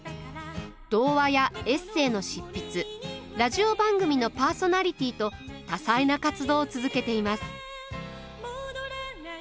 童話やエッセーの執筆ラジオ番組のパーソナリティーと多才な活動を続けています。